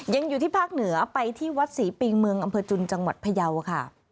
อยู่ที่ภาคเหนือไปที่วัดศรีปิงเมืองอำเภอจุนจังหวัดพยาวค่ะ